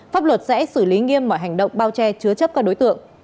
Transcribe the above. pháp luật sẽ xử lý nghiêm mọi hành động bao che chứa chấp các đối tượng